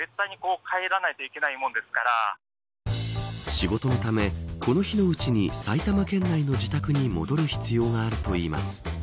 仕事のため、この日のうちに埼玉県内の自宅に戻る必要があるといいます。